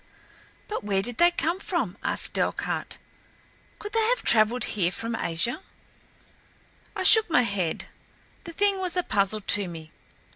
"But where did they come from?" asked Delcarte. "Could they have traveled here from Asia?" I shook my head. The thing was a puzzle to me.